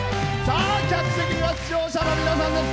客席には出場者の皆さんです。